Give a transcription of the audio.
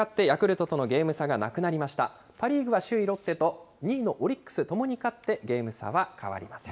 パ・リーグは首位ロッテと２位のオリックス、ともに勝ってゲーム差は変わりません。